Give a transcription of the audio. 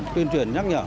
truyền truyền nhắc nhở